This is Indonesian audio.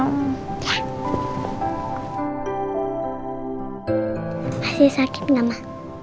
masih sakit gak ma